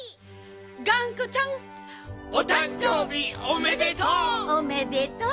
がんこちゃん。おたんじょうびおめでとう！おめでとう。